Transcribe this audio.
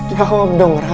jawab dong ra